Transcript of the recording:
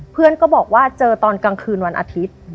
เพื่อนก็บอกว่าเจอตอนกลางคืนวันอาทิตย์